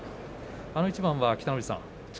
あの一番は北の富士さん